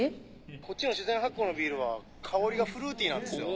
こっちの自然発酵のビールは香りがフルーティーなんですよ。